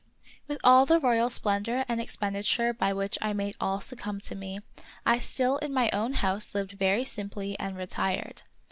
With all the royal splendor and expenditure by which I made all succumb to me, I still in my own house lived very simply and retired.